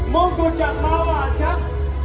มุมกุจักรภาวะครับ